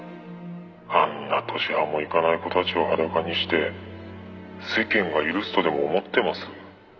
「あんな年端もいかない子たちを裸にして世間が許すとでも思ってます？」